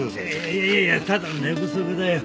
いやいやいやただの寝不足だよ。